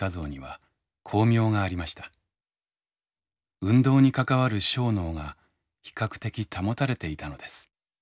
運動に関わる小脳が比較的保たれていたのです。